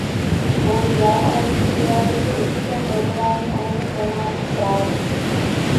Bohužel, ale musím vyjádřit i určité politování ohledně formátu zprávy.